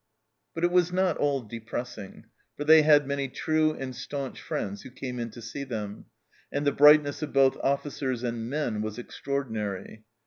But it was not all depressing, for they had many true and staunch friends who came in to see them, and the brightness of both officers and men was extraordinary.